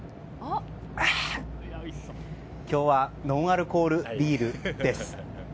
今日はノンアルコールビールです。